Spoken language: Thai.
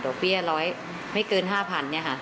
ดกเบี้ยไม่เกิน๕พันธุ์เนี่ยค่ะ